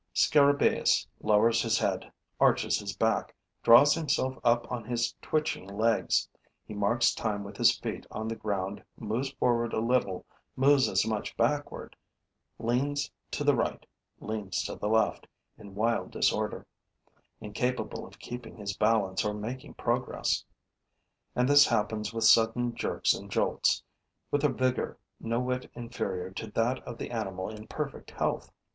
Scarabaeus lowers his head, arches his back, draws himself up on his twitching legs. He marks time with his feet on the ground, moves forward a little, moves as much backward, leans to the right, leans to the left, in wild disorder, incapable of keeping his balance or making progress. And this happens with sudden jerks and jolts, with a vigor no whit inferior to that of the animal in perfect health.